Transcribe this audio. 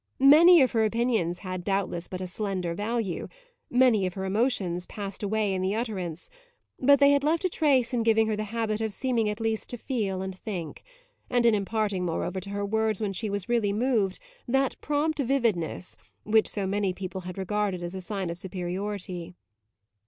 Many of her opinions had doubtless but a slender value, many of her emotions passed away in the utterance; but they had left a trace in giving her the habit of seeming at least to feel and think, and in imparting moreover to her words when she was really moved that prompt vividness which so many people had regarded as a sign of superiority.